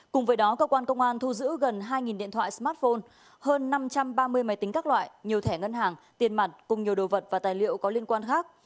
cùng với đó cơ quan công an thu giữ gần hai điện thoại smartphone hơn năm trăm ba mươi máy tính các loại nhiều thẻ ngân hàng tiền mặt cùng nhiều đồ vật và tài liệu có liên quan khác